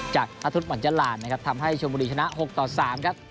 จากธุรกิจหวัญจรารณ์นะครับทำให้ชมุดีชนะหกต่อสามครับ